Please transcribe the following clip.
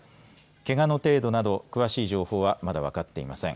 けがの程度など詳しい情報はまだわかっていません。